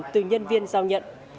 từ nhân viên giao nhận